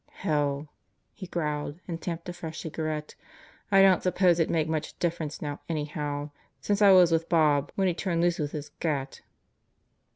"Helll" he growled and tamped a fresh cigarette. "I don't suppose it'd make much difference now anyhow, since I was with Bob when he turned loose with his gun."